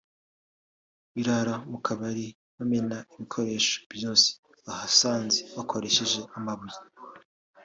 birara mu kabari bamena ibikoresho byose bahasanze bakoresheje amabuye